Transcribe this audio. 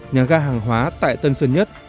nhà ga hàng hóa tại tân sơn nhất